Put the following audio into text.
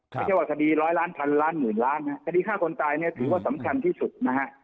ไม่ใช่ว่าคดีร้อยล้านพันล้านหมื่นล้านคดีฆ่าคนตายเนี่ยถือว่าสำคัญที่สุดนะฮะ